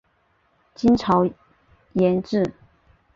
金朝沿置。